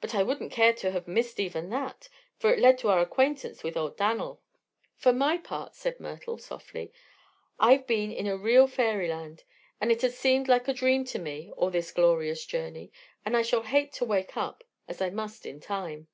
But I wouldn't care to have missed even that, for it led to our acquaintance with old Dan'l." "For my part," said Myrtle softly, "I've been in a real fairyland. It has seemed like a dream to me, all this glorious journey, and I shall hate to wake up, as I must in time."